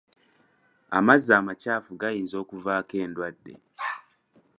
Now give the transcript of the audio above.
Amazzi amakyafu gayinza okuvaako endwadde.